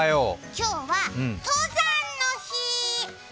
今日は登山の日。